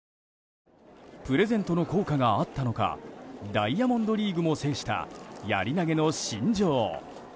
プレゼントの効果があったのかダイヤモンドリーグも制したやり投げの新女王。